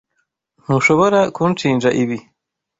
Ntushobora kunshinja ibi.